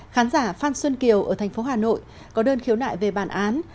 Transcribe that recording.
khán giả phan xuân kiều ở thành phố hà nội có đơn khiếu nại về bản án